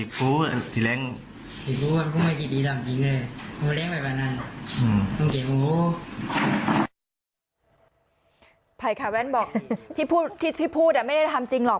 ภัยค่ะแว้นบอกที่พูดไม่ได้ทำจริงหรอก